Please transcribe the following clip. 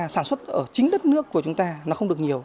sản xuất ở chính đất nước của chúng ta nó không được nhiều